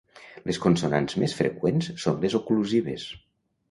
Les consonants més freqüents són les oclusives.